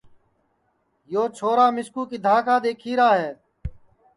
یو چھورا مِسکُو کِدھاں کا دؔیکھیرا ہے